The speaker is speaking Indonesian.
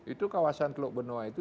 itu kawasan teluk benoa itu